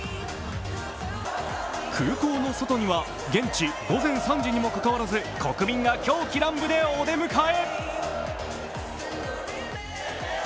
空港の外には、現地午前３時にもかかわらず国民が狂喜乱舞でお出迎え。